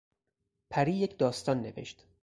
پری یک داستان نوشت.